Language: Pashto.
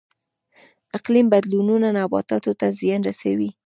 اقلیم بدلون نباتاتو ته زیان رسوي